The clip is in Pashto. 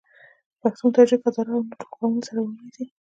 پښتون ، تاجک ، هزاره او نور ټول قومونه سره وروڼه دي.